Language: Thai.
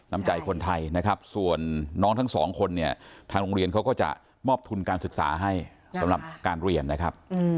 น้ำใจคนไทยนะครับส่วนน้องทั้งสองคนเนี่ยทางโรงเรียนเขาก็จะมอบทุนการศึกษาให้สำหรับการเรียนนะครับ